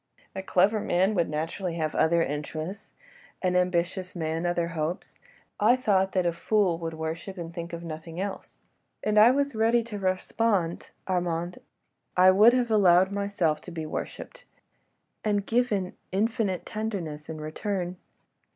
A clever man would naturally have other interests, an ambitious man other hopes. ... I thought that a fool would worship, and think of nothing else. And I was ready to respond, Armand; I would have allowed myself to be worshipped, and given infinite tenderness in return.